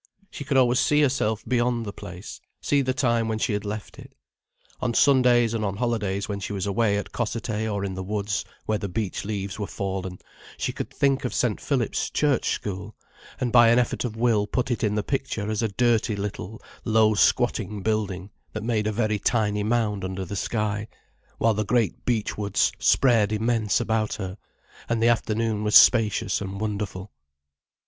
She could always see herself beyond the place, see the time when she had left it. On Sundays and on holidays, when she was away at Cossethay or in the woods where the beech leaves were fallen, she could think of St. Philip's Church School, and by an effort of will put it in the picture as a dirty little low squatting building that made a very tiny mound under the sky, while the great beech woods spread immense about her, and the afternoon was spacious and wonderful.